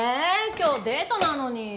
今日デートなのに。